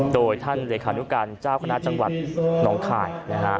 โดยท่านเดคานุกรรณ์เจ้าคณะจังหวัดน้องค่าย